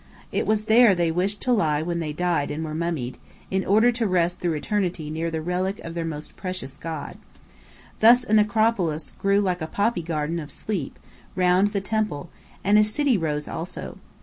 It was there they wished to lie when they died and were mummied, in order to rest through eternity near the relic of their most precious god. Thus a necropolis grew like a poppy garden of sleep, round the temple; and a city rose also.